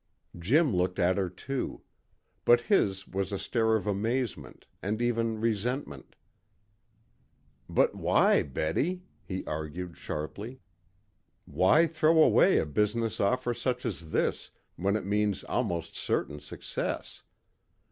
Jim looked at her too. But his was a stare of amazement, and even resentment. "But why, Betty?" he argued sharply. "Why throw away a business offer such as this, when it means almost certain success?